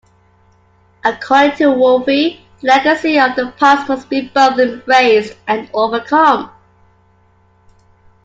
According to Wolfe, the legacy of the past must be both embraced and overcome.